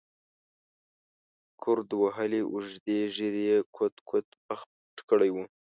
ګرد وهلې اوږدې ږېرې یې کوت کوت مخ پټ کړی و.